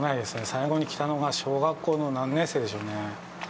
最後に来たのが小学校の何年生でしょうね。